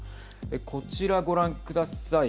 こちら、ご覧ください。